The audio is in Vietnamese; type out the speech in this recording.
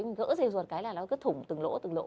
mình gỡ ra ruột cái là nó cứ thủng từng lỗ từng lỗ